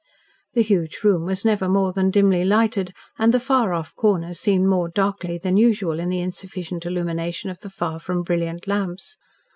The huge room was never more than dimly lighted, and the far off corners seemed more darkling than usual in the insufficient illumination of the far from brilliant lamps.